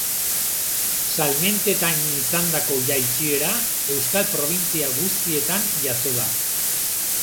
Salmentetan izandako jaitsiera euskal probintzia guztietan jazo da.